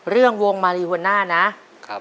เรื่องวงมะลิวอันน่านะ